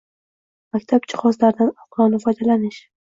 Maktab jihozlaridan oqilona foydalanish